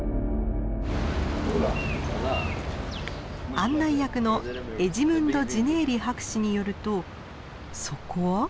案内役のエジムンド・ジネーリ博士によるとそこは？